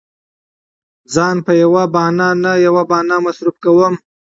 ځان په يوه بهانه نه يوه بهانه مصروف کوم.